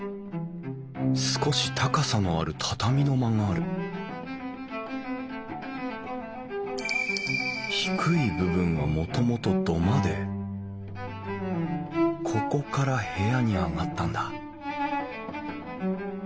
少し高さのある畳の間がある低い部分はもともと土間でここから部屋に上がったんだ